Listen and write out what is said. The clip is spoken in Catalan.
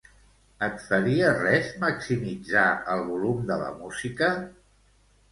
Et faria res maximitzar el volum de la música?